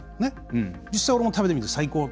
実際、俺も食べてみて最高。